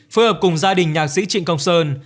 phối hợp cùng gia đình nhạc sĩ trịnh công sơn